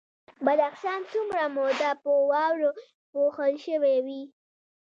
بدخشان څومره موده په واورو پوښل شوی وي؟